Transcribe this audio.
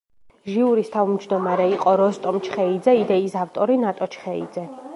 ჟიურის თავმჯდომარე იყო როსტომ ჩხეიძე, იდეის ავტორი ნატო ჩხეიძე.